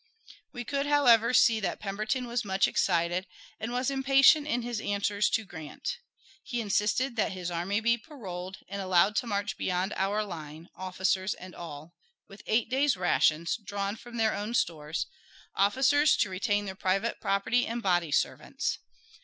We could, however, see that Pemberton was much excited, and was impatient in his answers to Grant. He insisted that his army be paroled and allowed to march beyond our lines, officers and all, with eight days' rations, drawn from their own stores, officers to retain their private property and body servants.